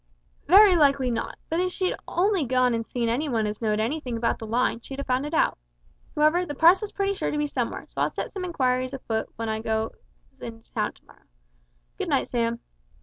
"Very likely not; but if she'd only gone an' seen any one as know'd anything about the line, she'd have found it out. However, the parcel's pretty sure to be somewhere, so I'll set some inquiries a foot w'en I goes up to town to morrow. Good night, Sam."